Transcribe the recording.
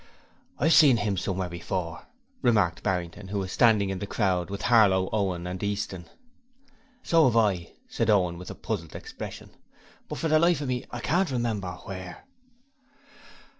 'I've seen him somewhere before,' remarked Barrington, who was standing in the crowd with Harlow, Owen and Easton. 'So have I,' said Owen, with a puzzled expression. 'But for the life of me, I can't remember where.'